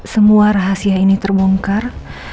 semua rahasia ini terbongkar